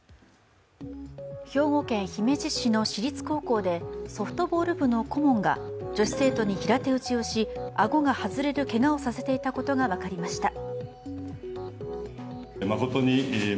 兵庫県姫路市の私立高校でソフトボール部の顧問が女子生徒に平手打ちをし顎が外れるけがをさせていたことが分かりました。